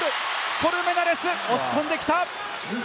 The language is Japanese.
コルメナレス押し込んできた。